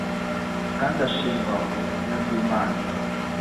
kandi ashingwa ubutumwa bw'Imana.